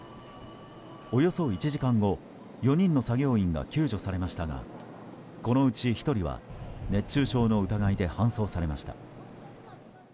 およそ１時間後４人の作業員が救助されましたがこのうち１人は熱中症の疑いで搬送されました。